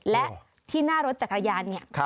และที่หน้ารถจักรยานเนี่ย